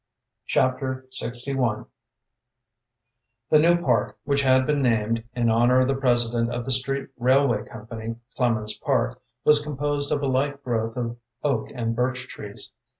Chapter LXI The new park, which had been named, in honor of the president of the street railway company, Clemens Park, was composed of a light growth of oak and birch trees.